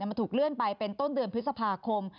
มันถูกเลื่อนไปเป็นต้นเดือนพฤษภาคม